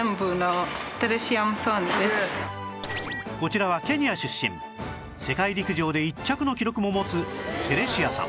こちらはケニア出身世界陸上で１着の記録も持つテレシアさん